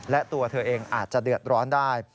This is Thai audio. และตัวเธอเองอาจจะเดือดร้อนได้